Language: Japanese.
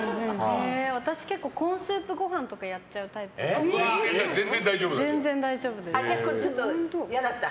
私、結構コーンスープご飯とかやっちゃうタイプなのでちょっと嫌だった？